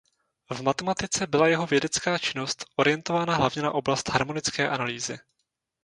V matematice byla jeho vědecká činnost orientována hlavně na oblast harmonické analýzy.